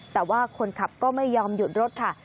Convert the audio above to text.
แต่ว่าคนขับก็ไม่ยอมหยุดรถค่ะ